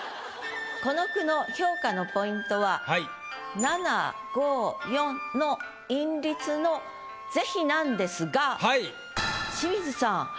この句の評価のポイントは７・５・４の韻律の是非なんですが清水さん